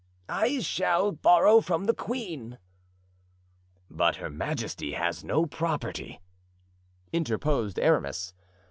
"I shall borrow from the queen." "But her majesty has no property," interposed Aramis.